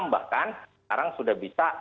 bahkan sekarang sudah bisa